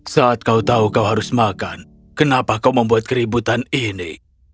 saat kau tahu kau harus makan kenapa kau membuat keributan ini